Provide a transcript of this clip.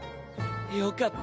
よかった！